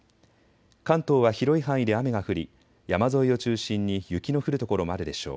関東は広い範囲で雨が降り山沿いを中心に雪の降る所もあるでしょう。